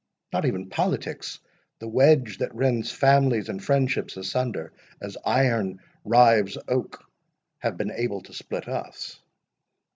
Not even politics, the wedge that rends families and friendships asunder, as iron rives oak, have been able to split us."